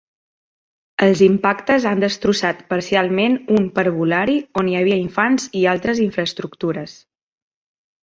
Els impactes han destrossat parcialment un parvulari, on hi havia infants, i altres infraestructures.